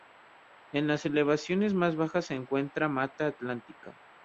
En las elevaciones más bajas se encuentra la Mata Atlántica.